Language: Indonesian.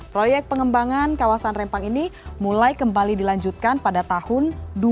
proyek pengembangan kawasan rempang ini mulai kembali dilanjutkan pada tahun dua ribu dua